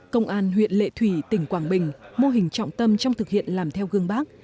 công an huyện lệ thủy tỉnh quảng bình mô hình trọng tâm trong thực hiện làm theo gương bác